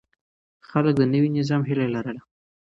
خلک د نوي نظام هيله لرله.